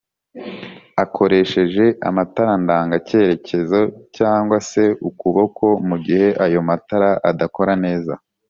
akoresheje amatara ndanga cyerekezo cg se ukuboko mugihe ayo matara adakora neza